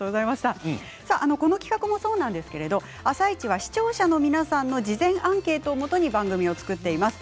この企画もそうなんですが「あさイチ」は視聴者の皆さんの事前アンケートをもとに番組を作っています。